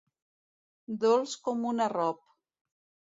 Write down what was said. Dolç com un arrop.